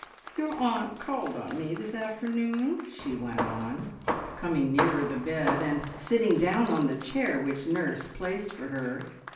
"Your aunt called on me this afternoon," she went on, coming nearer the bed, and sitting down on the chair which nurse placed for her.